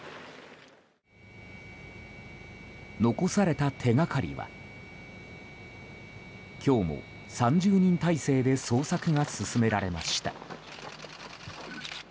残された手掛かりは今日も３０人態勢で捜索が進められました。